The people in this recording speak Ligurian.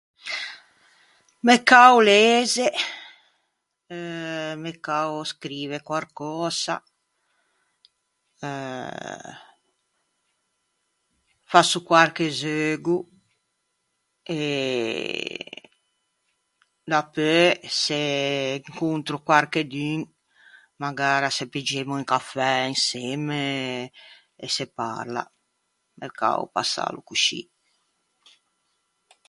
M'é cao leze, eh, m'é cao scrive quarcösa... Eh... Fasso quarche zeugo... E dapeu se incontro quarchedun magara se piggemo un cafè insemme e se parla. M'é cao passâlo coscì.